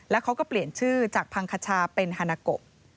แล้วเขาก็เปลี่ยนชื่อจากพังคชาเป็นฮานาโก